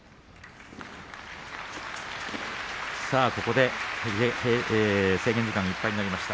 土俵上制限時間いっぱいになりました。